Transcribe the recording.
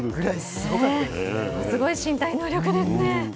すごい身体能力ですね。